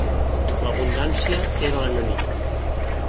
L'abundància era l'enemic.